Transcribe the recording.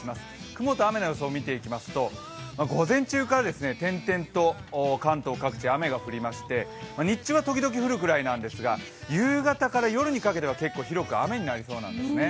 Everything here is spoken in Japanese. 雲と雨の予想を見ていきますと、午前中から点々と関東各地、雨が降りまして、日中は時々降るくらいなんですが夕方から夜にかけては結構広く雨になりそうなんですね。